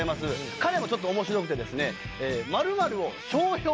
彼もちょっと面白くてですね。